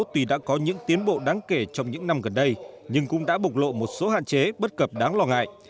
tuy đã có những tiến bộ đáng kể trong những năm gần đây nhưng cũng đã bộc lộ một số hạn chế bất cập đáng lo ngại